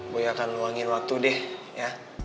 gue akan luangin waktu deh ya